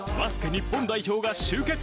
日本代表が集結。